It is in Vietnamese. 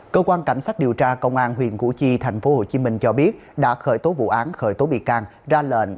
cơ quan cảnh sát điều tra công an huyện củ chi thành phố hồ chí minh cho biết đã khởi tố vụ án